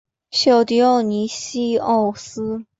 小狄奥尼西奥斯。